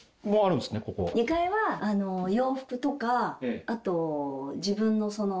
２階は洋服とかあと自分のその。